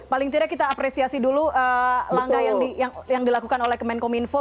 paling tidak kita apresiasi dulu langkah yang dilakukan oleh kemenkominfo